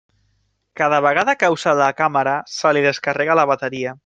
Cada vegada que usa la càmera se li descarrega la bateria.